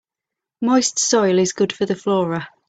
Moist soil is good for the flora.